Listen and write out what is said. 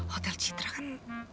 hotel citra kan